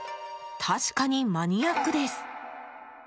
確かにマニアックです。